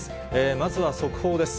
まずは速報です。